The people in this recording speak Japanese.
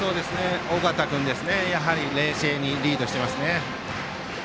尾形君冷静にリードしていますね。